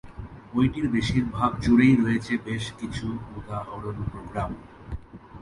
বইটির বেশির ভাগ জুড়েই রয়েছে বেশ কিছু উদাহরণ প্রোগ্রাম।